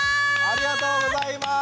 ありがとうございます。